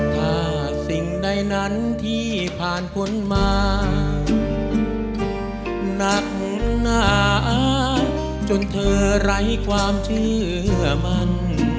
ถ้าสิ่งใดนั้นที่ผ่านพ้นมาถูกหนักหนาจนเธอไร้ความเชื่อมัน